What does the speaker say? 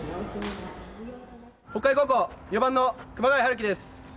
北海高校４番の熊谷陽輝です。